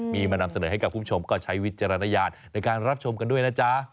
มีมานำเสนอให้กับคุณผู้ชมก็ใช้วิจารณญาณในการรับชมกันด้วยนะจ๊ะ